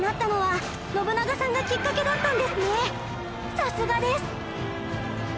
さすがです！